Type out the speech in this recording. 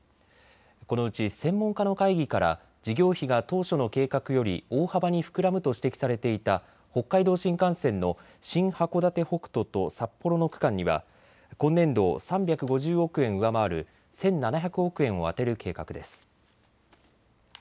このうち専門家の会議から事業費が当初の計画より大幅に膨らむと指摘されていた北海道新幹線の新函館北斗と札幌の区間には今年度を３５０億円上回る１７００億円を充てる計画です。